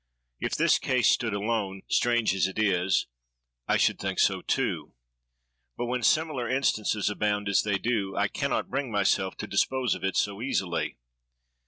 If this case stood alone, strange as it is, I should think so too: but when similar instances abound, as they do, I can not bring myself to dispose of it so easily.